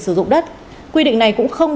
sử dụng đất quy định này cũng không